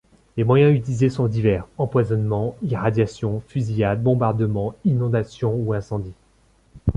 Les moyens utilisés sont divers: empoisonnement, irradiation, fusillade, bombardement, inondation ou incendie.